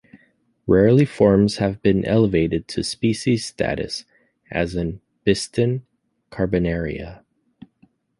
Rarely forms have been elevated to species status as in "Biston carbonaria".